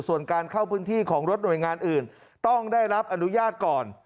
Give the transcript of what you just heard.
ส่วนการเข้าพื้นที่ของรถหน่วยงานอื่นต้องได้รับอนุญาตก่อน